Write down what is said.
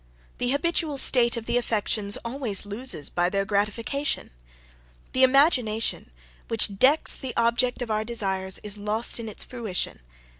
The habitual state of the affections always loses by their gratification. The imagination, which decks the object of our desires, is lost in fruition.